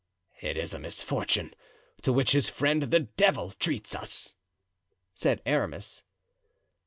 "It's a misfortune, to which his friend, the devil, treats us," said Aramis.